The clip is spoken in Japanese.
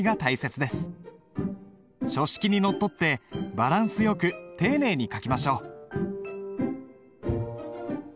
書式にのっとってバランスよく丁寧に書きましょう。